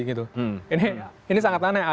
ini sangat aneh